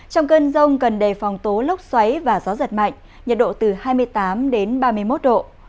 trong cơn rông cần đề phòng tố lốc xoáy và gió giật mạnh nhiệt độ từ hai mươi tám đến ba mươi một độ